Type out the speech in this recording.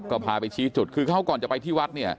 ก็พาไปชี้จุดคือเขาก่อนจะไปที่วัดเนี่ย